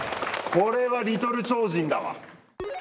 これはリトル超人だわ。